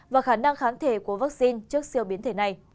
và khả năng kháng thể của vaccine trước siêu biến thể này